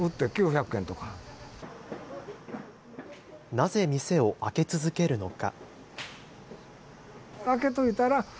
なぜ店を開け続けるのか。